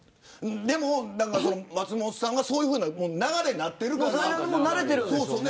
でも、松本さんがそういうふうな流れにそれはもう慣れてるんですね。